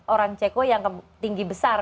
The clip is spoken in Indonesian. orang ceko yang tinggi besar